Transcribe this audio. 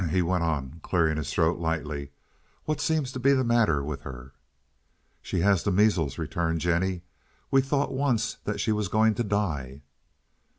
"Hem!" he went on, clearing his throat lightly, "What seems to be the matter with her?" "She has the measles," returned Jennie. "We thought once that she was going to die."